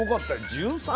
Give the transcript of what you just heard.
１３？